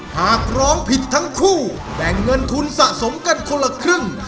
หากร้องผิดทั้งคู่แบ่งเงินทุนสะสมกันคนละครึ่ง